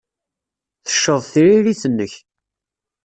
Tecceḍ tririt-nnek.